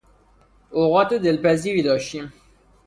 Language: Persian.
اوقات دلپذیری داشتیم!